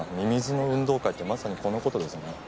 ミミズの運動会ってまさにこの事ですね。